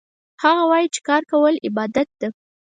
هغه وایي چې کار کول عبادت ده